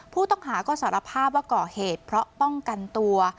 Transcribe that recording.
ผู้ต้องหาก็สารภาพว่าก่อเหตุเพราะป้องกันตัว